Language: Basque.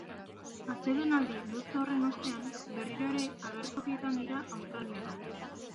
Atsedenaldi luze horren ostean, berriro ere agertokietan dira australiarrak.